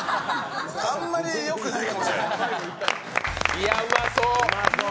いや、うまそう。